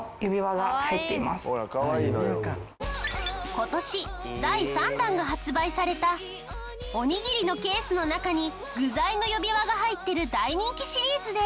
今年第３弾が発売されたおにぎりのケースの中に具材の指輪が入ってる大人気シリーズで。